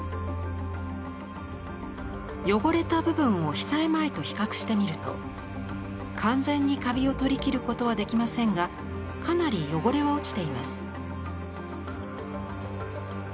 汚れた部分を被災前と比較してみると完全にカビを取りきることはできませんがかなり汚れは落ちています。